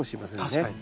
確かに。